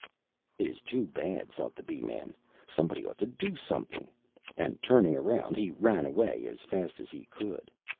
"It is too bad!" thought the Bee man. "Somebody ought to do something." And turning around, he ran away as fast as he could.